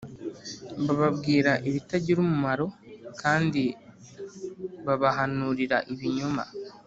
Bababwira ibitagira umumaro kandi babahanurira ibinyoma